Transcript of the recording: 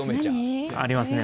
何？ありますね。